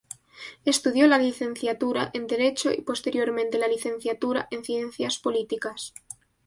Estudio la licenciatura en Derecho y posteriormente la licenciatura en Ciencias Políticas.